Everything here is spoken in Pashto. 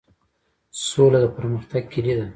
سوله د پرمختګ کیلي ده؟